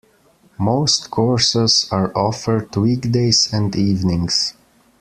Most courses are offered weekdays and evenings.